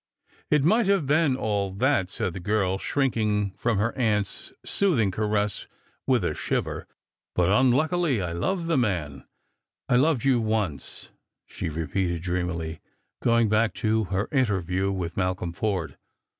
" It may have been all that," said the girl, shrinking from her aunt's soothing caress with a shiver ;" but, unluckily, I loved the man. ' I loved you once,' " she repeated dreamily, going back to her interview with Malcolm Forde.